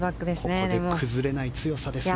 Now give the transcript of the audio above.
ここで崩れない強さですね。